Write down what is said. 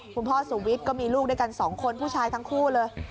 คุณพ่อสุวิทย์ก็มีลูกด้วยกัน๒คนผู้ชายทั้งคู่เลย